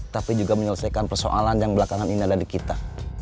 tapi juga menyelesaikan persoalan yang belakangan ini ada di kita